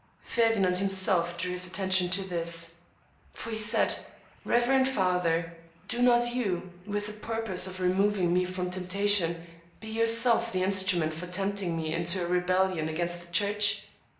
Ferdinand himself drew his attention to this; for he said :" Reverend father ! do not you, with the purpose of removing me from temptation, be yourself the instru ment for tempting me into a rebellion against the church.